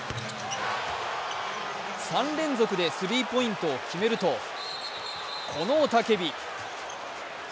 ３連続でスリーポイントを決めるとこの雄たけび。